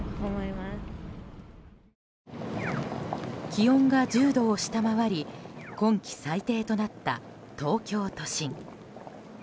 気温が１０度を下回り今季最低となった東京都心。